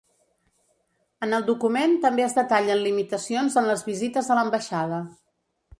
En el document també es detallen limitacions en les visites a l’ambaixada.